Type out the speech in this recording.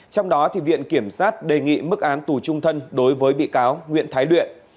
trong đó viện kiểm sát đề nghị mức án tù trung thân đối với bị cáo nguyễn thái luyện